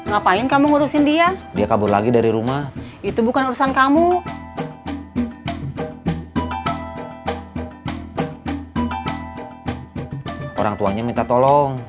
ga ada pulling power